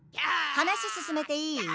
話進めていい？